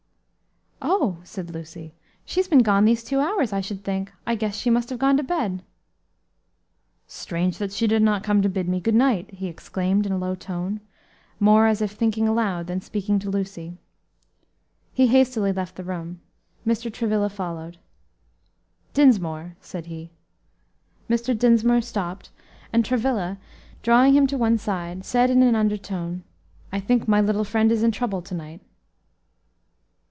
"Oh!" said Lucy, "she's been gone these two hours, I should think! I guess she must have gone to bed." "Strange that she did not come to bid me goodnight," he exclaimed in a low tone, more as if thinking aloud than speaking to Lucy. He hastily left the room. Mr. Travilla followed. "Dinsmore," said he. Mr. Dinsmore stopped, and Travilla, drawing him to one side, said in an undertone, "I think my little friend is in trouble to night."